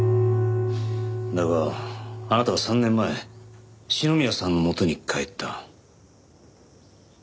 だがあなたは３年前篠宮さんのもとに帰った。